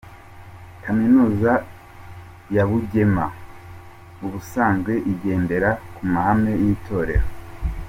Kaminuza ya Bugema ubusanzwe igendera ku mahame y’itorero